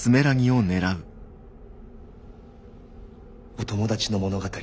お友達の物語